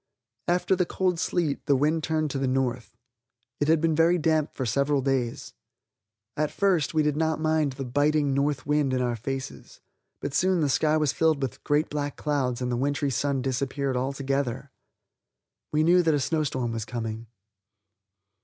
After the cold sleet, the wind turned to the north. It had been very damp for several days. At first we did not mind the biting north wind in our faces, but soon the sky filled with great black clouds and the wintry sun disappeared altogether. We knew that a snowstorm was coming.